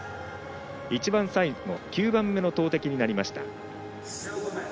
一番最後、９番目の投てきになりました。